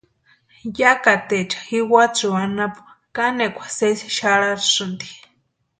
Yakateecha jiwatsio anapu kanekwa sésï xarharasïnti.